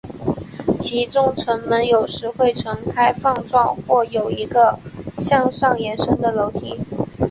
其中城门有时会呈开放状或有一个向上延伸的楼梯。